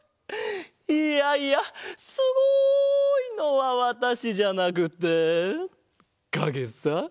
いやいやすごいのはわたしじゃなくってかげさ。